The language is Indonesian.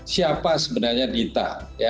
siapa sebenarnya dita